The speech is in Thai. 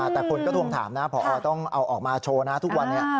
แต่คนก็ทวงถามนะพอต้องเอาออกมาโชว์นะทุกวันนี้